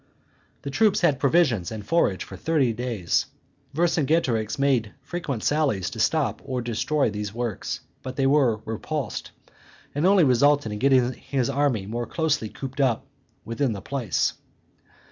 The troops had provisions and forage for thirty days. Vercingetorix made frequent sallies to stop or destroy these works; but they were repulsed, and only resulted in getting his army more closely cooped up within the place.